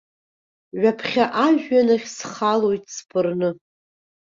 Ҩаԥхьа ажәҩан ахь схалоит сԥырны.